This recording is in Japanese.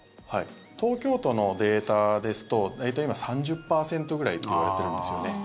東京都のデータですと大体今、３０％ぐらいといわれているんですよね。